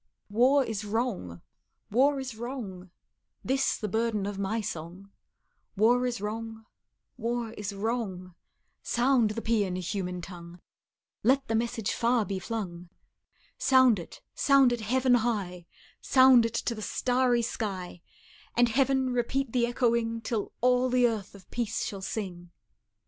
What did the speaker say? War is wrong war is wrong; This the burden of my song: War is wrong war is wrong Sound the pean, human tongue; Let the message far be flung Sound it, sound it heaven high, Sound it to the starry sky, And Heaven, repeat the echoing, Till all the earth of peace shall sing.